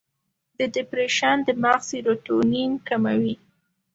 د ډیپریشن د مغز سیروټونین کموي.